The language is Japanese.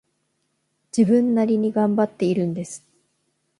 自分なりに頑張っているんです